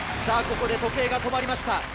ここで時計が止まりました。